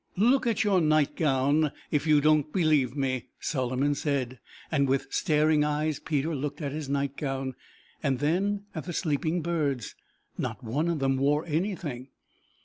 "Look at your night gown, if you don't believe me," Solomon said, and with staring eyes Peter looked at his night gown, and then at the sleeping birds. Not one of them wore anything.